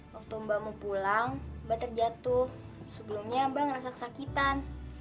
waktu mba mau pulang mba terjatuh sebelumnya mba ngerasa kesakitan